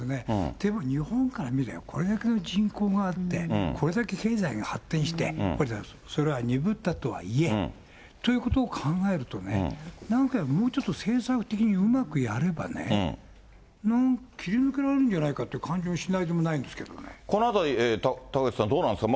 でも日本から見れば、これだけの人口があって、これだけ経済が発展して、それは鈍ったとはいえ、ということを考えるとね、なんか、もうちょっと政策的にうまくやればね、切り抜けられるんじゃないかって感じがしないでもなこのあたり、高口さん、どうなんですか？